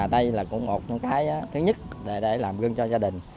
đây là một trong những thứ nhất để làm gân cho gia đình